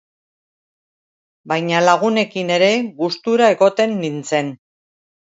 Baina lagunekin ere gustura egoten nintzen.